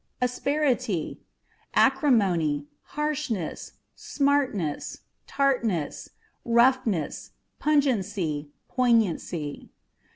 Asperity â€" acrimony, harshness, smartness, tartness, rough ness, pungency, poignancy.